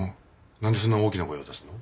何でそんな大きな声を出すの？